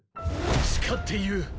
誓って言うッ！